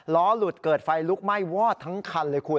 ล้อหลุดเกิดไฟลุกไหม้วอดทั้งคันเลยคุณ